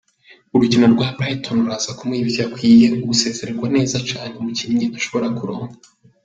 "Urukino rwa Brighton ruraza kumuha ivyo akwiye, ugusezegwa neza cane umukinyi ashobora kuronka.